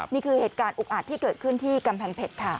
นี่คือเหตุการณ์อุกอาจที่เกิดขึ้นที่กำแพงเพชรค่ะ